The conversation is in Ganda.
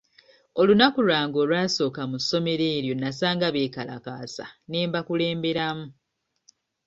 Olunaku lwange olw'asooka mu ssomero eryo nasanga beekalakasa ne mbakulemberamu.